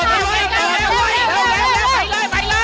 ชิดกันไว้นะคะ